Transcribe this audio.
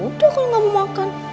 ya udah kalau nggak mau makan